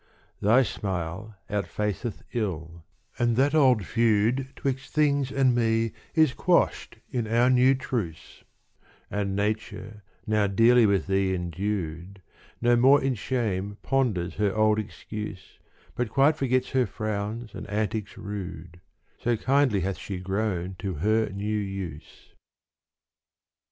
Thy smile outfaceth ill : and that old feud 'Twixt things and me is quashed in our new truce And Nature now dearly with thee endued No more in shame ponders her old excuse But quite forgets her frowns and antics rude So kindly hath she grown to her new use.